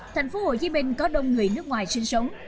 thành phố hồ chí minh có đông người nước ngoài sinh sống